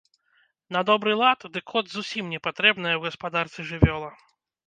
На добры лад, дык кот зусім непатрэбная ў гаспадарцы жывёла.